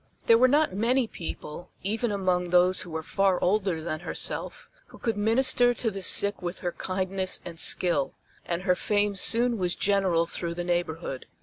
There were not many people, even among those who were far older than herself, who could minister to the sick with her kindness and skill, and her fame soon was general through the neighborhood.